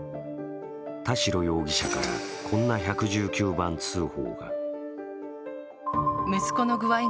田代容疑者からこんな１１９番通報が。